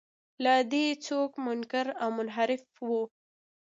له دې څوک منکر او منحرف و.